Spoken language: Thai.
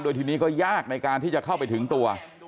ทีนี้ก็ยากในการที่จะเข้าไปถึงตัว